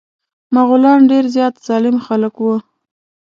مغولان ډير زيات ظالم خلک وه.